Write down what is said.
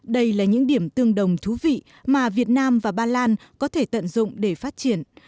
đây là những điểm tương đồng thú vị mà việt nam và ba lan có thể tận dụng để phát triển